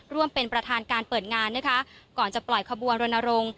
ร่วมเป็นประธานการเปิดงานนะคะก่อนจะปล่อยขบวนรณรงค์